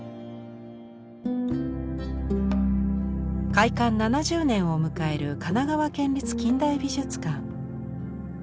開館７０年を迎える神奈川県立近代美術館。